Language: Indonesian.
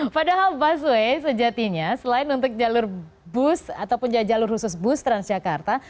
padahal busway sejatinya selain untuk jalur bus ataupun jalur khusus bus transjakarta